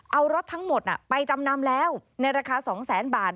เอารถทั้งหมดไปจำนำแล้วในราคา๒๐๐๐๐บาท